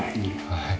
はい。